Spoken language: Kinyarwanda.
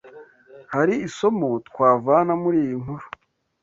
Hari isomo twavana muri iyi nkuru